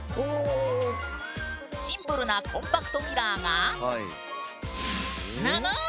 シンプルなコンパクトミラーがぬぬ！